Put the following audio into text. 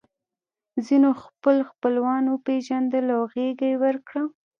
ځینو خپل خپلوان وپېژندل او غېږه یې ورکړه